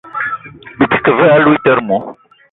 Byi te ke ve aloutere mou ?